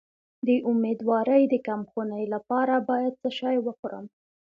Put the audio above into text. د امیدوارۍ د کمخونی لپاره باید څه شی وخورم؟